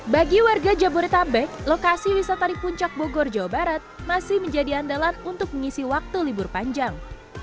bagi warga jabodetabek lokasi wisata di puncak bogor jawa barat masih menjadi andalan untuk mengisi waktu libur panjang